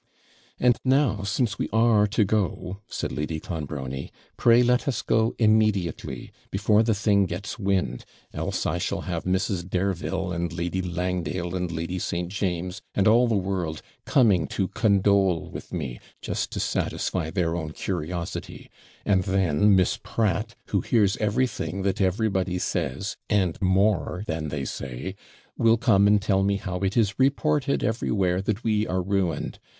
'And now, since we are to go,' said Lady Clonbrony, 'pray let us go immediately, before the thing gets wind, else I shall have Mrs. Dareville, and Lady Langdale, and Lady St. James, and all the world, coming to condole with me, just to satisfy their own curiosity; and then Miss Pratt, who hears everything that everybody says, and more than they say, will come and tell me how it is reported everywhere that we are ruined.